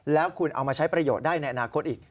แล้วคุณเอามาใช้ประโยชน์ได้ในอนาคตอีก